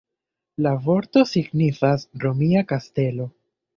La vorto signifas "romia kastelo".